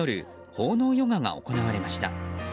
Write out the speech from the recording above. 奉納ヨガが行われました。